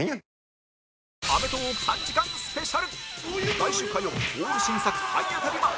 来週火曜オール新作体当たりマン